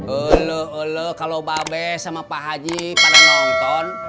ulu ulu kalau babe sama pak haji pada nonton